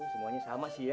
oh semuanya sama sih ya